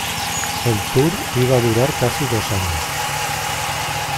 El tour iba a durar casi dos años.